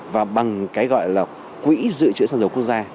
và bằng cái gọi là quỹ dự trữ sản dụng quốc gia